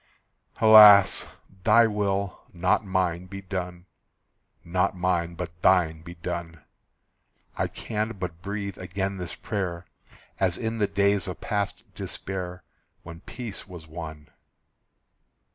Alas! "Thy will, not mine, be done." Not mine, but Thine, be done. I can but breathe again this prayer, As in the days of past despair, When peace was won.